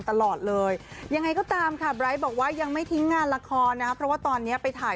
ตลอดเลยยังไงก็ตามค่ะไบร์ทบอกว่ายังไม่ทิ้งงานละครนะครับเพราะว่าตอนนี้ไปถ่าย